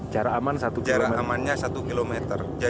jarak amannya satu kilometer